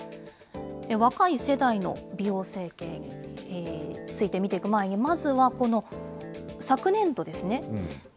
若い世代の美容整形について見ていく前に、まずはこの昨年度ですね、２０００